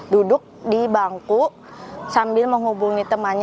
duduk di bangku sambil menghubungi temannya